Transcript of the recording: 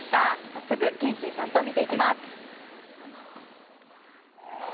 早速、憲伸さんと見ていきます。